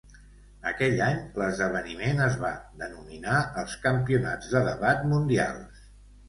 Aquell any, l'esdeveniment es va denominar els Campionats de Debat Mundials.